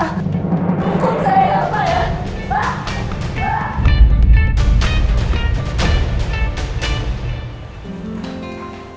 hukum saya pak ya pak